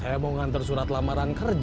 saya mau ngantar surat lamaran kerja